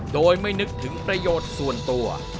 โดยไม่นึกถึงประโยชน์ส่วนตัว